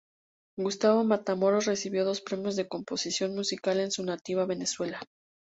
Gustavo Matamoros recibió dos premios de composición musical en su nativa Venezuela.